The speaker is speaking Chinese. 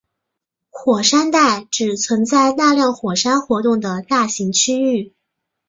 火山带意指存在大量火山活动的大型区域。